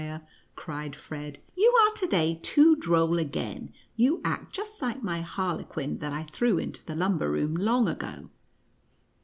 Godfather Drosselmeier," cried Fred, " you are to day too droll again — you act just like my Harlequin that I threw into the lum ber room long ago."